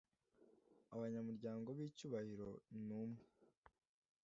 abanyamuryango b’icyubahiro ni mwe